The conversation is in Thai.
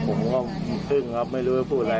ผมก็อึ้งครับไม่รู้จะพูดอะไร